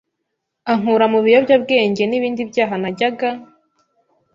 ankura mu biyobyabwenge n’ibindi byaha najyaga